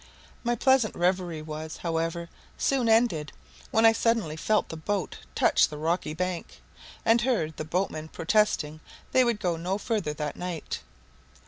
My pleasant reverie was, however, soon ended, when I suddenly felt the boat touch the rocky bank, and heard the boatmen protesting they would go no further that night.